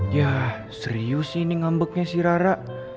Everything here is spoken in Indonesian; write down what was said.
yah serius ini ngambeknya si rara